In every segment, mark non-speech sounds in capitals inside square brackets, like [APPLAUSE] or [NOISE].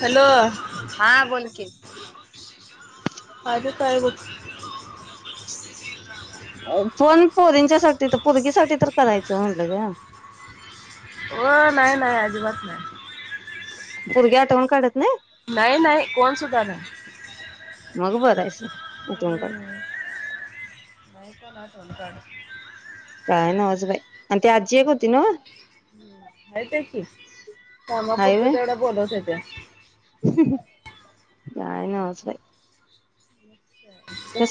Hello हा बोल की [INAUDIBLE] तिथं पोरगीसाठी तर करायचं म्हणलं ग ओ नाही-नाही अजिबात नाही. पोरगी आठवण काढत नाही नाही नाही कोण सुधा नाहीं मग बरायस उठून करता [UNINTELLIGIBLE] काय नवाज बाई आणि तेी आजी एक होती नव्ह हम हायत्या की हाय कामापूरत व्हय तेवढं बोलत होेत्या [INAUDIBLE] काय न्हावंच बाई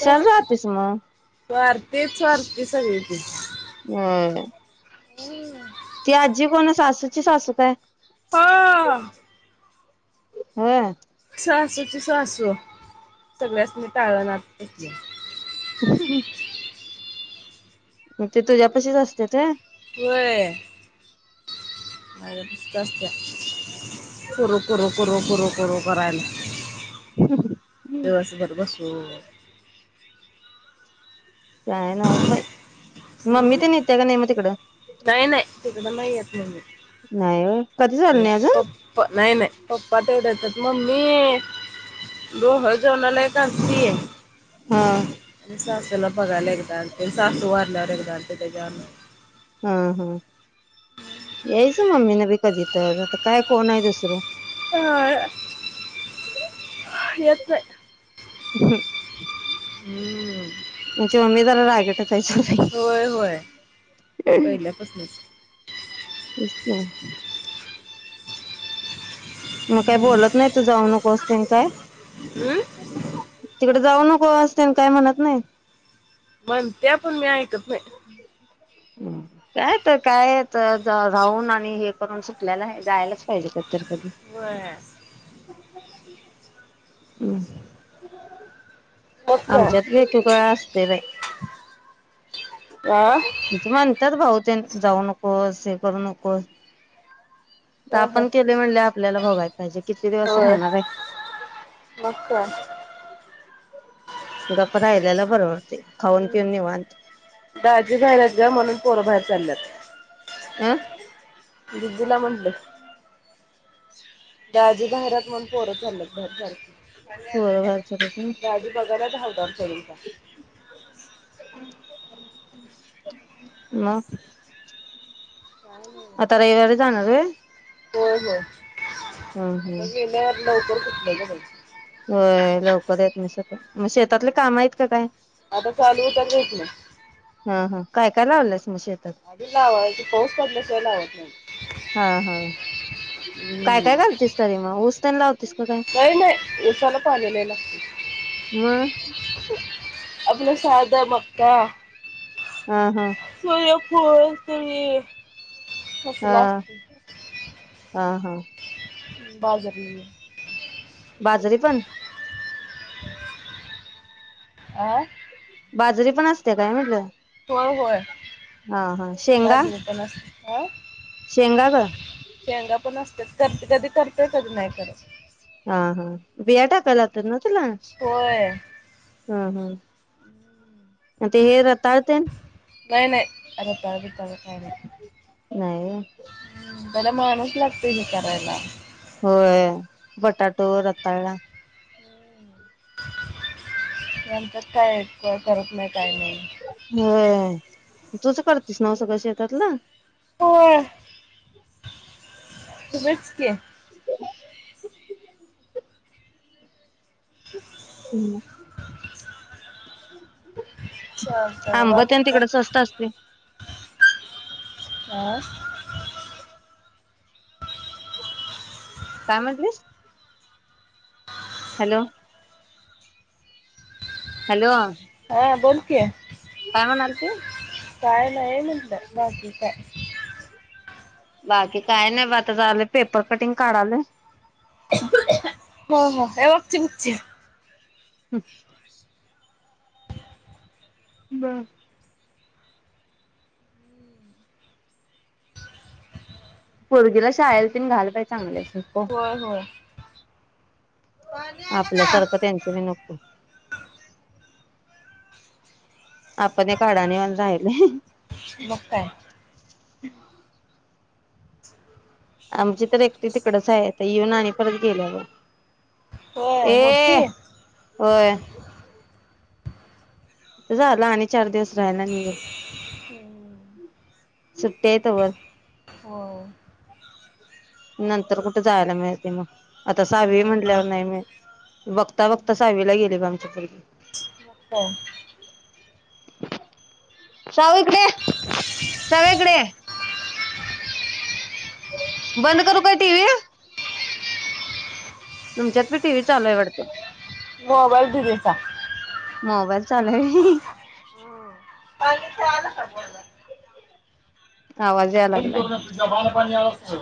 कस राहतेस मग तरर तेच ती सगळी हाय ती. होय हम्म ती आजी पण सासूची सासू काय? हो हा सासू ची सासू सगळ्यांनी टाळणार ह मग ते तुझ्या पशीच असत्यात होय. व्हय माझ पण जास्त आहे करू-करू, करू-करू, करू करायला. दिवस भर बसून काय नवच बाई मम्मी हम्म ते नेत्या का नाही मग तिकडं नाही नाही तिकडं नाही येत मग मी नाही व्हय कधीच आली नाही अजून पप्पा नाही नाही पप्पा तेवढ्या ममी लोहजणाला [UNINTELLIGIBLE] हा सासूला बघायला एकदा आणि तेन सासू वारल्यावर एकदा आलते त्याच्यावर हा-हा यायचं मम्मी ना बी कधी तर आता काय कोण आहे दुसरं? आ येत नाही. हम् हम्म आमची मम्मी जरा रागीटच होय होय पहिल्यापासूनच होईचं की. मग काही बोलत नाही तू जाऊ नको असते काय हम्म तिकडे जाऊ न हो असतेल काय म्हणत नाही मण त्या पण मी ऐकत ब काय तर काय राऊून आणि हे करून सुटल्याला जायलाच पाहिजे कधीतर व्हय [INAUDIBLE] मग काय आमच्यात [UNINTELLIGIBLE] असते बाय आ तिचे म्हणतात भाऊ जाऊ नकोस हे करू नकोस ते त आपण केलंय म्हनल्यावर आपल्याला भोगाय पाहिजे किती दिवस होय राहणार आहे. मग काय गप्प राहिलेला बरोबर खाऊन पिऊन निवांत. दाजी बाहेर आहेत ग म्हणून पोर बाहेर चालल्यात. आं दिदीला म्हणल दाजी बाहेर आहेत म्हणून पोर चालल्यात बाहेर सारखी. पोर बाहेर चालल्यात व्हय [UNINTELLIGIBLE] म [INAUDIBLE] आता रयवारी जाणारे व्हय? [UNINTELLIGIBLE] हम्म हम्म लवकरच उठलय ग बाई. होय लवकर येत नाहीस आता म शेतातले काम आहेत का काय? आता चालू होतात येत नाही हा हा काय काय लावलयस? आधी लावायचं पाऊस पडल्याशिवाय लावत नाहीस हा हा काय काय हं घालतीस तरी [UNINTELLIGIBLE] नाही नाही ऊसाला पाणी लय लागतय. म आपलं साधं मका हां हां [UNINTELLIGIBLE] होय तुम्ही कसला? हां हां बाजरी बाजरी पण आं बाजरी पण असते काय म्हणलं? व्हय व्हय हां हां शेंगा काय? शेंगा गं शेंगा पण असत्यात करते कधी करतय कधी नाही करत. हा हा बीया टाकायला लावत्यात ना तुला? होय हा. हा. [INAUDIBLE] म ते हे तेन नाही नाही रताळ बीताळ काय नई. नाही त्याला माणूस लागतो हे करायला. होय बटाटो, रताळा. नंतर काय कोन करत नाही. काय नाही व्हय तुच करतीस न्हव सगळं शेतातलं? होय तुझच की हम चालतं आंब त्यां बाकीच तिकड स्वस्त असते ब काय म्हटलीस? हॅलो हॅलो हा बोल कि? काय म्हणाल ती? काय नाही म्हटलं बाकी काय. बाकी काय नाही बघ आता झाले पेपर कटिंग काढालोय हो हो हे बघ चिंचे हम् बर पोरगीला शाळेला तेन घाल बई चांगल्या होय होय पाणी आलं का? आपल्यासारखं त्यांच बी नको आपण एक आढान्यावणी राहिलोय. मग काय [INAUDIBLE] आमची तर एकटी तिकडच आहे येऊन आणि परत गेलीया बग होय ए मोठी व्हय. ते झाला आणि चार दिवस राहिल आणि येईल. हम्म सुट्टी हाय तवर हो नंतर कुठे जायला मिळते मग. आता साहावी म्हटल्यावर नाही मी. बगता बगता साहावीला गेली गं चप्पल मग काय [UNINTELLIGIBLE] शावूइकडे श्रावे इकडे ये. बंद करू काय टीव्ही? तुमच्यात बी टी व्ही चालूय वाटतं? मोबाईल दिदिचा चाल्लोय. काय म्हणली कळालं का बोलण? आवाज याय बंद लागलाय करून तुझ्या बाला पाणी आलं अस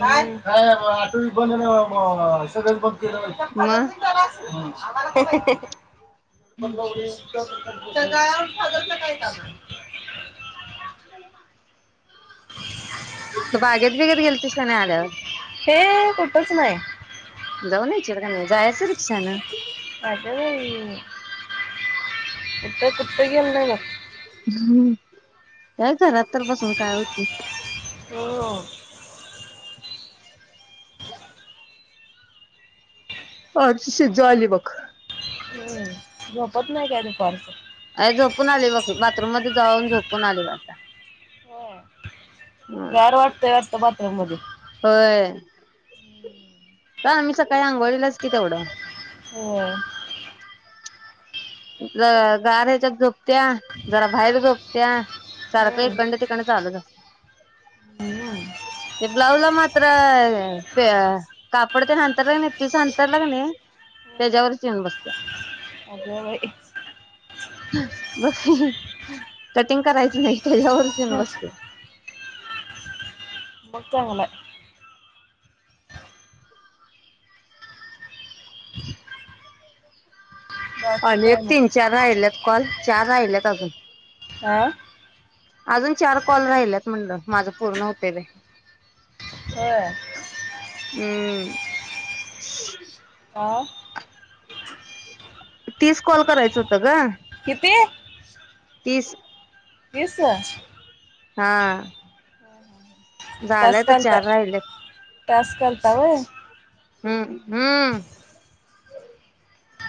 काय काय आटो बी बंद आणि म-अ सगळंच बंद. तुमच्या फदर मग नी केलं असल कि हे हे ह! [UNINTELLIGIBLE] तिथं जाउन फादरचं काय काम? [UNINTELLIGIBLE] [UNINTELLIGIBLE] बागेत बिगेत गेलतीस काय नाही आल्यावर? हे कुठंच नाही जाऊन इचिल कनी? जायचं रिक्षाानं. काय काय झालंय? कुठं कुठं गेलो नाइ बग. हम्म! काय घरात तर बसून काय होतय? हो आमची शिज्जो आली बग. हम्म झोपत नाही काय दूपारचं? आय झोपुन आली बग, बाथरूममध्ये जाऊन झोपुन आली बग आत्ता. होय. बाथरूममधे होय काय आम्ही सकाळी आंघोळीलाच की तेवढं. होय. ज गार ह्याच्यात झोपत्या, जरा बाहेर झोपत्या. सारखं हम्म. इकंडन तिकडंन चालूच असतय. हम्म. ते ब्लाऊज ला मात्र ते कापड तेन हांतरलं कनी पीस हांतरलं कणे हम्म. तेज्यावरच येउन बसत्या. अगं बाई बग कि, कटिंग करायचं नाही त्यच्यावरच येउन हं. बसतय. मग चांगलाय. बाकी आणि काय एक मग तीन-चार राहिल्यात कॉल चार राहिल्यात अजुन. आ अजून चार कॉल राहिल्यात म्हणलं, माझं पूर्ण हुतंय बाई. होय? [UNINTELLIGIBLE] [INAUDIBLE] तीस कॉल करायचं होत गं. तेे तीस. तीस अं हां. तास झालंय आता करता चार राहिल्यात. तास करता वय? हूं [UNINTELLIGIBLE]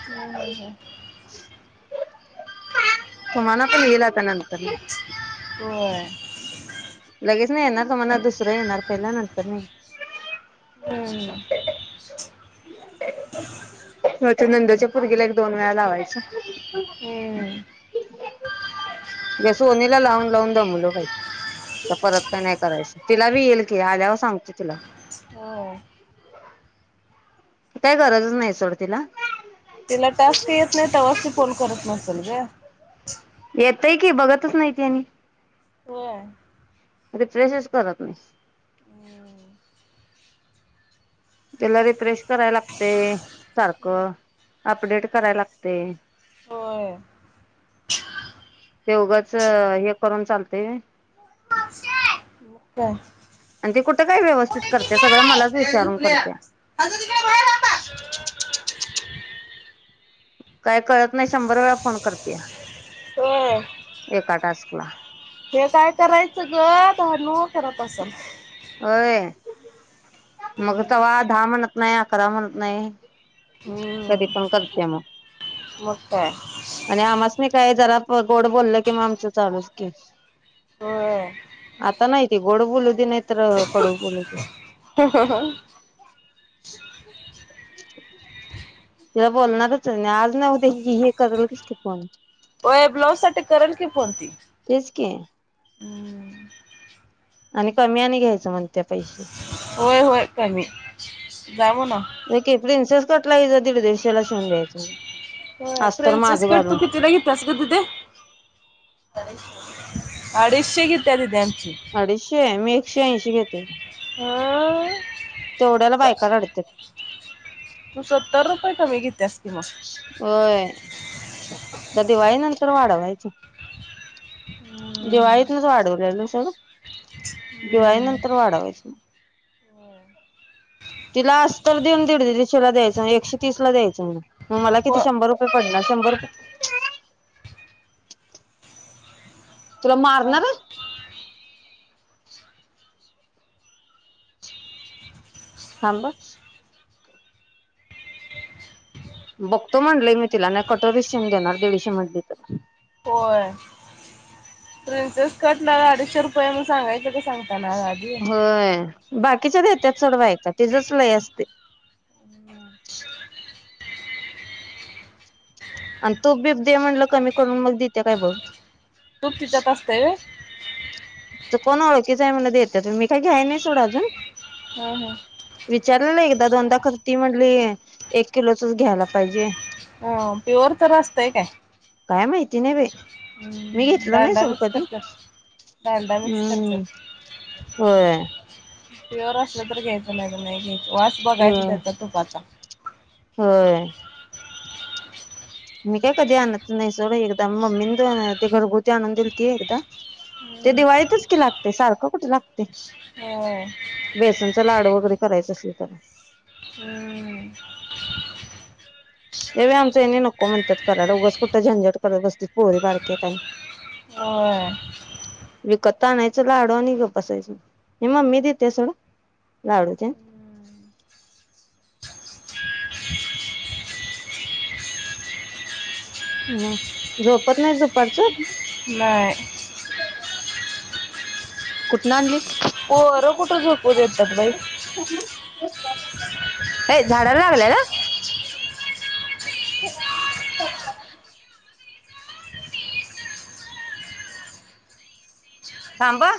[UNINTELLIGIBLE] तुम्हाला पण येईल अता नंतर नं. व्हय लगेच नाही येणार तुम्हाला दुसरं येणार पहिल्या नंतर नाही. हम्म हो ते नंद च्या पर्गिला एक दोन वेळा लावायचं. हम्म मी सोनीला लावून लावून दमलो बाई अता परत काय नाही करायचं तिला बी येईल की आल्याव सांगते तिला. हो काही गरजचं नाही सोडतीला. तिला टास्क येत नाही तवाच ती फोन करत नसल गं. येतय की बघतच नाही ती आणि. होय रिफ्रेशचं करत नाही. त्याला रिफ्रेश कराय लागते सारखं अपडेट कराय लागते होय ते उघंच हे करून चालते व्हय. मग [UNINTELLIGIBLE] आणि ते कुठे काय व्यवस्थित करत्या सगळ काय मलाच ए विचारून झोपल्या करत्या. हजू तिकडे बाहेर आता काय कळत नाही शंभर वेळा फोन करत्या. होय एका टास्कला हे काय करायचं गं धनु करत असलं. होय मग तेव्हा दहा म्हणत नाही अकरा म्हणत नाही कधी पण करत्यात मग. मस्त यं. आणि आम्हासनी काय जरा प गोड बोललं कि म आमचं चालू की होय आता नाही ती गोड बोलू दे नाहीत [INAUDIBLE] ह ह ह तिला बोलणारचं आणि आज ना उद्या ही हे करलच की फोन. होय ब्लाउज साठी करल की फोन ती. तेच की. [UNINTELLIGIBLE] आणि कमी आणि घ्यायचं म्हणत्या पयशे. होय होय कमी जाउ ना? तोटला हीच दीड दीडश्याला शिवून द्यायचं. होय अस्तर प्रेन्सेस माझं कट तू घालून कितीला घेतलास गं दीदे? अडीचशे घेत्या दिदेआणि अडीशे मी शे ऐंशी घेतोय. [UNINTELLIGIBLE] बायका रडत्यात तू सत्तर रुपये कमी घेतेसत्यास कि मग. होय. आता दिवाळी नंतर वाढवायचं. दिवाळीतनच वाढवल्याल सोड. दिवाळी नंतर वाढावायचं मग. तिला आस्तर देऊन दिड दिडशेला द्यायचं एकशे तीस ला द्यायचं म्हण. मग मला हो किती शंभर रुपय पडणार? शंबर [INAUDIBLE] तुला मारणार ह. थांब ह. बघतो म्हणलय मी तिला नाही कटोरी शिवून देणार दीडशे म्हणली तर. होय प्रिन्सेस कटला अडीचशे रुपये मुन सांगायचं का सांग? [INAUDIBLE] होय बाकीच्या देत्यात सोड बायका तिझच लय असतय. आण तूप बीब दे म्हणलं कमी करून मग दितीया काय बघ. तूप तिच्यात असतय व्हय? त कोण ओळखीच हायं म्हण देत्यात मी काय घ्याय नाई सोड अजून. हम हम विचारलेल एकदा दोनदा खर ती म्हणली एक किलोचच घ्याला पाहिजे. अ प्युअर तर असतंय काय? काय माहिती नाही बे मी घेतल नाई डालडा सोड मिक्स कधी करतात डालडा मिक्स हम्म करतात होय. प्युअर असलं तर घ्यायचं नाही तर नाही घ्याय वास बघा कि होय त्याचा तूपाचा. होय मी काय कधी आणत नाई सोड एकदा मम्मीन त अ ते घरगुती आणून दिलती एकदा ते हम्म. दिवाळीतच की लागतय सारखं कुठ लागतय. हो. जर लाडू वगैरे करायचं असल तर हम्म. रवे आमच येनी नको म्हणत्यात करायला उगच कुठं झंझट करत बसतीस पोरी बारक्यात अन होय विकत त आणायचं लाडू आणि गप बसायचं हे मम्मी देतिया सोड लाडू तेन. हम्म. मं झोपत नाही दुपारच? नाय. कुटन आणलीस? पोर कुठ झोपू देत्यात बाई. काय झाडाय लागलाय का? चला म ब ना त थांबा